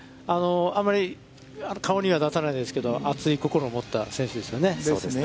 余り顔には出さないですけど、熱い心を持った選手ですよね。